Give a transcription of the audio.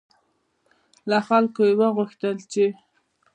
له خلکو یې وغوښتل چې